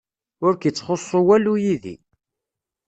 Ur k-ittxuṣṣu walu yid-i.